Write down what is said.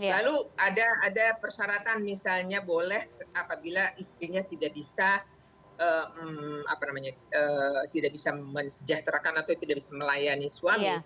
lalu ada persyaratan misalnya boleh apabila istrinya tidak bisa mensejahterakan atau tidak bisa melayani suami